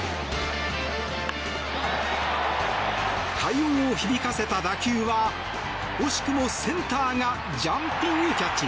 快音を響かせた打球は惜しくもセンターがジャンピングキャッチ。